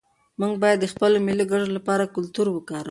موږ باید د خپلو ملي ګټو لپاره کلتور وکاروو.